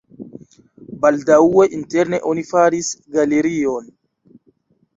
Baldaŭe interne oni faris galerion.